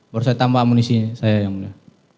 baru saya tambah munisinya saya ya mulia